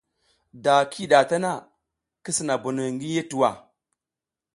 Da ki yih ɗa ta na, ki sina bonoy ngi yih tuwa.